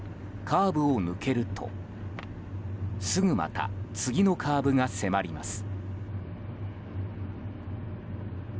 カーブを抜けるとすぐまた次のカーブが迫ります。